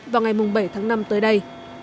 vào ngày bảy tháng năm tới đây